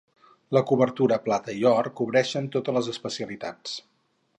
La cobertura Plata i Or cobreixen totes les especialitats.